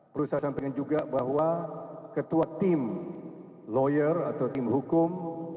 perusahaan pengen juga bahwa ketua tim lawyer atau tim hukum